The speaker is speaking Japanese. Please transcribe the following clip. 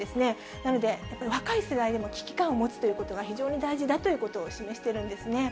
なので、若い世代でも危機感を持つということが非常に大事だということを示しているんですね。